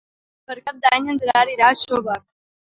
Per Cap d'Any en Gerard irà a Xóvar.